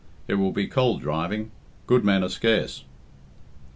It will be cold driving. Good men are scarce."